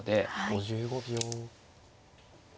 ５５秒。